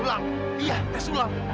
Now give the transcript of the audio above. lo pindah gue tahan